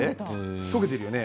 溶けているよね。